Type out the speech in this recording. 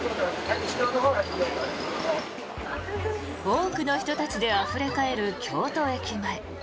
多くの人たちであふれ返る京都駅前。